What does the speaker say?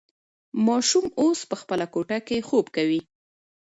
ماشوم اوس په خپله کوټه کې خوب کوي.